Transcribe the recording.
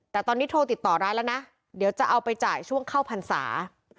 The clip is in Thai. แต่ตอนนี้โทรติดต่อร้านแล้วนะเดี๋ยวจะเอาไปจ่ายช่วงเข้าพรรษา